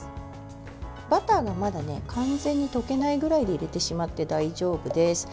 バターがまだ完全に溶けないぐらいで入れてしまって大丈夫です。